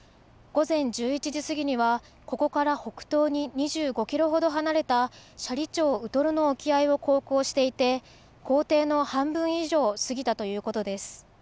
午前１１時過ぎにはここから北東に２５キロほど離れた斜里町ウトロの沖合を航行していて行程の半分以上を過ぎたということです。